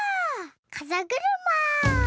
かざぐるま。